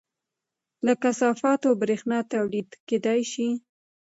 له کثافاتو بریښنا تولید کیدی شي